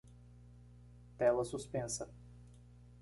Tela suspensa